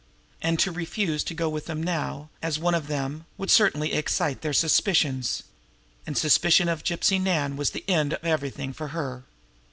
And to refuse to go on with them now, as one of them, would certainly excite their suspicions and suspicion of Gypsy Nan was the end of everything for her.